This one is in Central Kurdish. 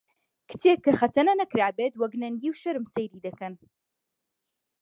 کچێک کە خەتەنە نەکرابێت وەک نەنگی و شەرم سەیری دەکەن